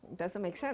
nggak masuk akal